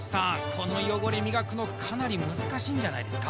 この汚れ磨くのかなり難しいんじゃないですか？